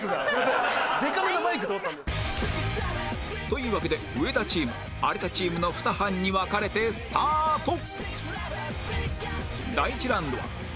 というわけで上田チーム有田チームの２班に分かれてスタート